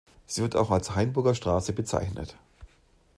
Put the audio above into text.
Sie wird auch als Hainburger Straße bezeichnet.